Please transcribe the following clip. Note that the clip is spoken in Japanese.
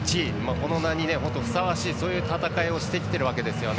その名にふさわしいそういう戦いをしてきてるわけですよね。